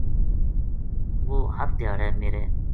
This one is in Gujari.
وُہ ہر دھیاڑے میرے